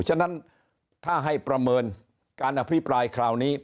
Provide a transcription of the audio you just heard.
ฉะนั้นถ้าให้ประเมินการอภิปรายคราวนี้